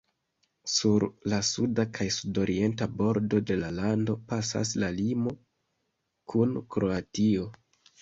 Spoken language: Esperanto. Sur la suda kaj sudorienta bordo de la lando pasas la limo kun Kroatio.